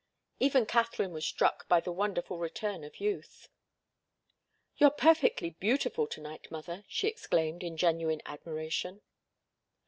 Even Katharine was struck by the wonderful return of youth. "You're perfectly beautiful to night, mother!" she exclaimed, in genuine admiration.